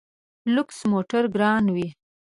لوکس موټر ګران وي.